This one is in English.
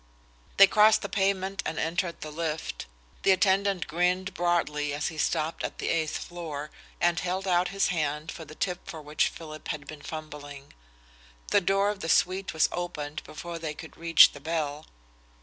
They crossed the pavement and entered the lift. The attendant grinned broadly as he stopped at the eighth floor, and held out his hand for the tip for which Philip had been fumbling. The door of the suite was opened before they could reach the bell.